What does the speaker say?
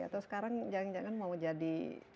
atau sekarang jangan jangan mau jadi